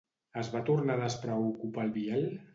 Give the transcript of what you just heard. Es va tornar a despreocupar el Biel?